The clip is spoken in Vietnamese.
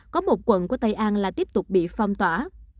có một quận của tây an lại tiếp tục bị phong tỏa